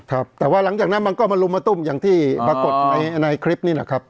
ครับแต่ว่าหลังจากนั้นมันก็มาลุมมาตุ้มอย่างที่ปรากฏในในคลิปนี้แหละครับ